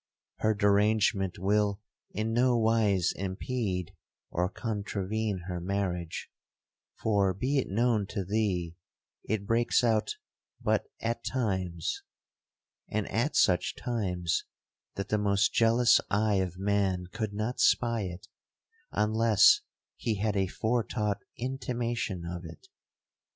Her derangement will in no wise impede or contravene her marriage,—for be it known to thee, it breaks out but at times, and at such times, that the most jealous eye of man could not spy it, unless he had a foretaught intimation of it.